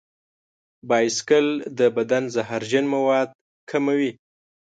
بایسکل د بدن زهرجن مواد کموي.